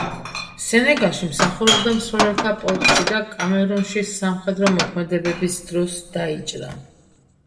სენეგალში მსახურობდა მსროლელთა პოლკში და კამერუნში სამხედრო მოქმედებების დროს დაიჭრა.